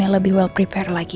yang lebih well prepared lagi